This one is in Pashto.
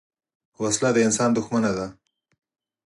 وسله د انسان دښمنه ده